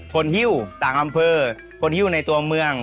คนฮิ่วต่างอำเภอคนฮิ่วในตัวเมือง